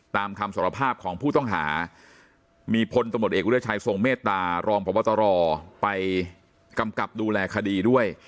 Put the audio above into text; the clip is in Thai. คำสารภาพของผู้ต้องหามีพลตำรวจเอกวิทยาชัยทรงเมตตารองพบตรไปกำกับดูแลคดีด้วย